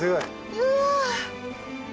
うわ。